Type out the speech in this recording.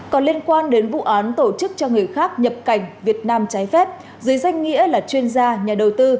còn liên quan đến vụ án tổ chức cho người khác nhập cảnh việt nam trái phép dưới danh nghĩa là chuyên gia nhà đầu tư